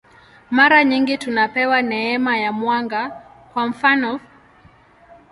Mara nyingi tunapewa neema ya mwanga, kwa mfanof.